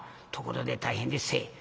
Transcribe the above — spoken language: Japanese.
「ところで大変でっせ。